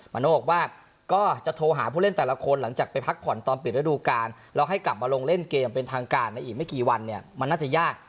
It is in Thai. โน่บอกว่าก็จะโทรหาผู้เล่นแต่ละคนหลังจากไปพักผ่อนตอนปิดระดูการแล้วให้กลับมาลงเล่นเกมเป็นทางการในอีกไม่กี่วันเนี่ยมันน่าจะยาก